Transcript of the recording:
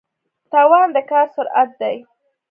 توان د کار سرعت دی.